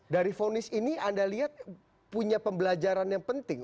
dari vonis ini anda lihat punya pembelajaran yang penting